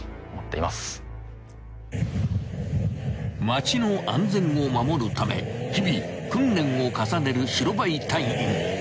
［街の安全を守るため日々訓練を重ねる白バイ隊員］